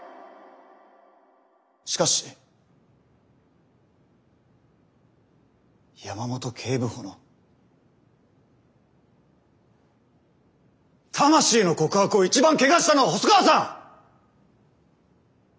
しかし山本警部補の魂の告白を一番汚したのは細川さん！